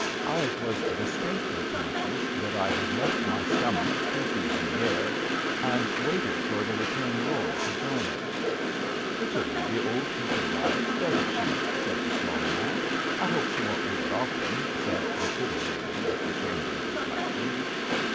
I was distinctly conscious that I had left my stomach two feet in the air, and waited for the return roll to join it. Prettily the old hooper rides, doesn't she I *' said the strong man. I hope she won't do it often,'' said the pretty lady with the chang ing complexion.